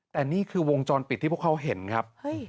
แต่นี่คือวงจรปิดที่พวกเขาเห็นครับ